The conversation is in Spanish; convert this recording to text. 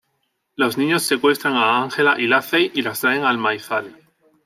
Los niños secuestran a Ángela y Lacey y las traen al maizal.